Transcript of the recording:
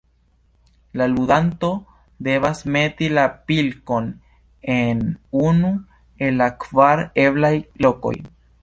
La ludanto devas meti la pilkon en unu el la kvar eblaj lokoj.